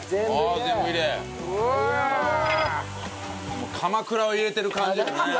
もう鎌倉を入れてる感じですね。